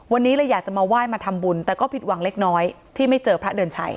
วันนี้เลยอยากจะมาไหว้มาทำบุญแต่ก็ผิดหวังเล็กน้อยที่ไม่เจอพระเดือนชัย